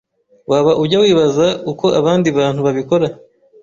Waba ujya wibaza uko abandi bantu babikora